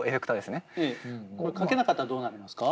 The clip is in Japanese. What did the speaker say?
これかけなかったらどうなりますか？